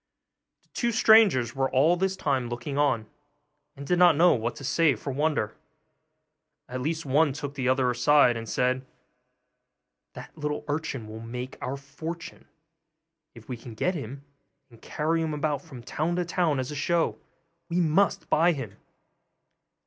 The two strangers were all this time looking on, and did not know what to say for wonder. At last one took the other aside, and said, 'That little urchin will make our fortune, if we can get him, and carry him about from town to town as a show; we must buy him.